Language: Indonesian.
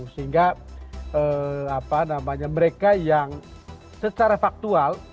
sehingga mereka yang secara faktual